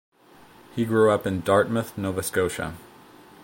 He grew up in Dartmouth, Nova Scotia.